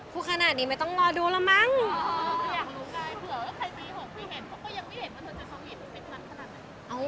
พูดขนาดนี้ไม่ต้องรอดูแล้วมัง